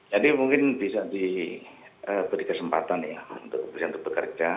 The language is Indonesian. jadi mungkin bisa diberi kesempatan ya untuk bisa untuk bekerja